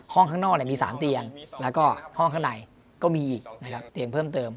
ห้องข้างนอกมี๓เตียงห้องข้างในก็มีอีกเตียงเพิ่มเติม